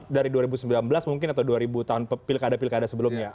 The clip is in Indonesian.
dari dua ribu sembilan belas mungkin atau dua ribu tahun pilkada pilkada sebelumnya